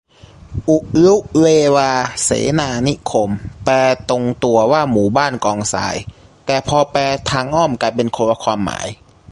อุรุเวลาเสนานิคม แปลตรงตัวว่าหมู่บ้านกองทราย แต่พอแปลทางอ้อมกลายเป็นคนละความหมาย